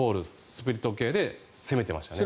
スプリット系で攻めていましたね。